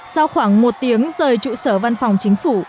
sau khoảng một tiếng rời trụ sở văn phòng chính phủ